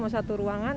mau satu ruangan